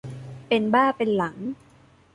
เป็นบ้าเป็นหลัง